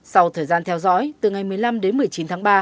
sau thời gian theo dõi từ ngày một mươi năm đến một mươi chín tháng ba